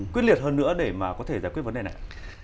quyết liệt hơn nữa để mà có thể giải quyết vấn đề này ạ